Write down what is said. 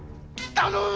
頼む！